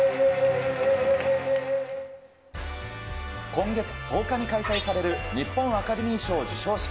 今月１０日に開催される日本アカデミー賞授賞式。